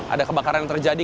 ada kebakaran yang terjadi